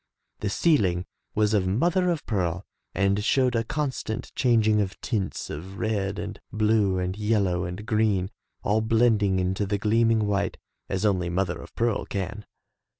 The ceiling was of mother of pearl and showed a constant chang ing of tints of red and blue and yellow and green, all blending into the gleaming white, as only mother of pearl can.